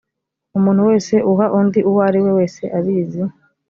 umuntu wese uha undi uwo ari we wese abizi